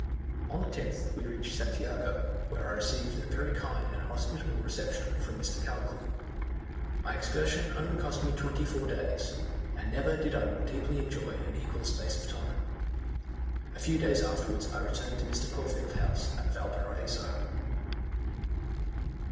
On the 10th we reached Santiago, where I received a very kind and hospitable reception from Mr. Caldcleugh. My excursion only cost me twenty four days, and never did I more deeply enjoy an equal space of time. A few days afterwards I returned to Mr. Corfield's house at Valparaiso.